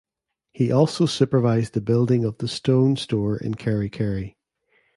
He also supervised the building of the Stone Store in Kerikeri.